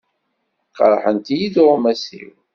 Qerrḥent-iyi tuɣmas-iw.